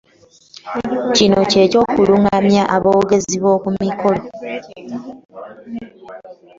Kino ky'eky'okulungamya aboogezi b'oku mikolo.